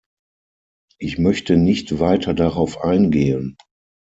Ich möchte nicht weiter darauf eingehen.